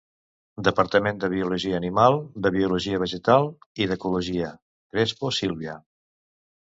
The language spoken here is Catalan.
Departament de Biologia Animal, de Biologia Vegetal i d'Ecologia; Crespo, Sílvia.